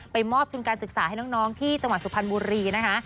มอบทุนการศึกษาให้น้องที่จังหวัดสุพรรณบุรีนะคะ